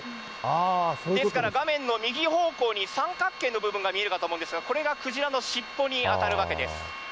ですから画面の右方向に三角形の部分が見えるかと思うんですが、これがクジラの尻尾に当たるわけです。